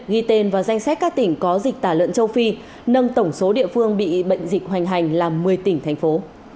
ghi tên vào danh sách các tỉnh có dịch tả lợn châu phi nâng tổng số địa phương bị bệnh dịch hoành hành là một mươi tỉnh thành phố